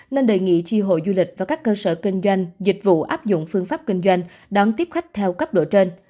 nên đề nghị chi hội du lịch và các cơ sở kinh doanh dịch vụ áp dụng phương pháp kinh doanh đón tiếp khách theo cấp độ trên